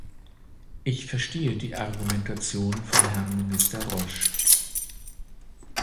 Ich verstehe die Argumentation von Herrn Minister Roche.